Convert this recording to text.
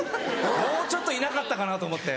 もうちょっといなかったかな？と思って。